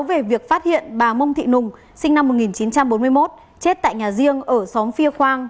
về việc phát hiện bà mông thị nùng sinh năm một nghìn chín trăm bốn mươi một chết tại nhà riêng ở xóm phia khoang